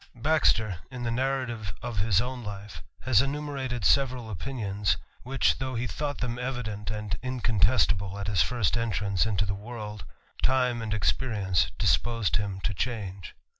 M p) AXTER, iaf^e narrative of his own life, has enum ^ erated sejfal opinions, which, though he thoughts them evident Zi\ incontestable at his first entrance into the world, timeD>d experience disposed him to change.